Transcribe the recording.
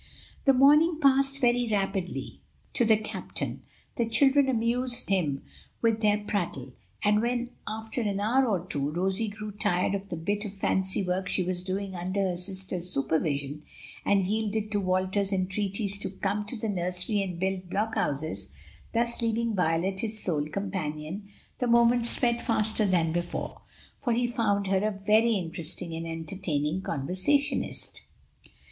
The morning passed very rapidly to the captain; the children amused him with their prattle, and when after an hour or two, Rosie grew tired of the bit of fancy work she was doing under her sister's supervision, and yielded to Walter's entreaties to "come to the nursery and build block houses," thus leaving Violet his sole companion, the moments sped faster than before; for he found her a very interesting and entertaining conversationist.